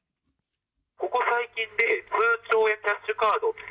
ここ最近で、通帳やキャッシュカードって。